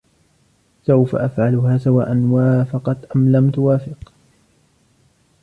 سوف أفعلها سواءاً وافقت أم لم توافق.